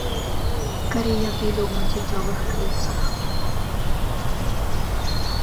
Карыятыда ў маціцовых кліпсах.